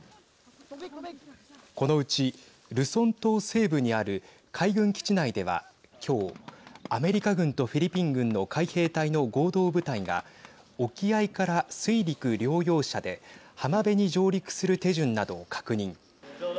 このうち、ルソン島西部にある海軍基地内では、今日アメリカ軍とフィリピン軍の海兵隊の合同部隊が沖合から水陸両用車で浜辺に上陸する手順などを確認。